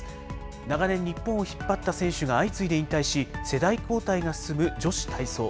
長年、日本を引っ張った選手が相次いで引退し、世代交代が進む女子体操。